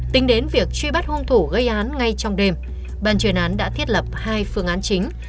tính đến việc truy bắt hôn thủ gây án ngay trong đêm bàn truyền án đã thiết lập hai phương án chính